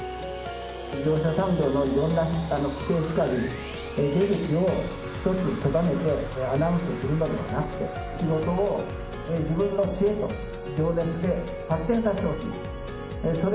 自動車産業のいろんな規制しかり、出口を一つ狭めてアナウンスするのではなくて、仕事を、自分の知恵と情熱で発展させてほしい。